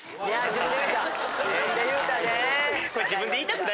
自分で言うたで。